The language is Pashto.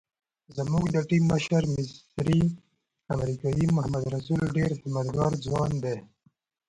زموږ د ټیم مشر مصری امریکایي محمد رسول ډېر خدمتګار ځوان دی.